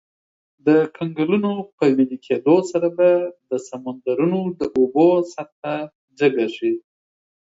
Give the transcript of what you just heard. د کنګلونو په ویلي کیدو سره به د سمندرونو د اوبو سطحه جګه شي.